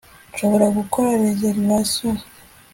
nshobora gukora reservation